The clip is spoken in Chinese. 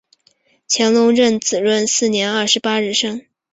乾隆壬子闰四月二十八日生。